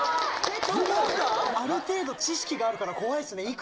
ある程度、知識があるから怖いっすね。